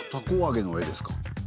これはたこあげの絵ですか。